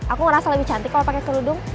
aku ngerasa lebih cantik kalau pakai kerudung